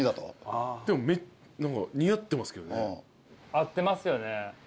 合ってますよね。